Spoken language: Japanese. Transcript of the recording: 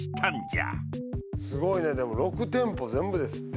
すごいねでも６店舗全部ですって。